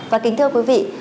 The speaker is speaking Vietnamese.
và kính thưa quý vị